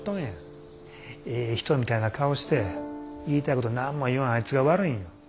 ええ人みたいな顔して言いたいこと何も言わんあいつが悪いんや。